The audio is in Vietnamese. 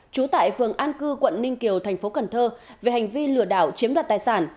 trú tại phường an cư quận ninh kiều tp cn về hành vi lừa đảo chiếm đoạt tài sản